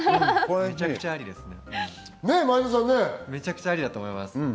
めちゃくちゃありだと思います。